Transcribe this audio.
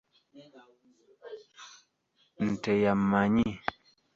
Nte yamannyi.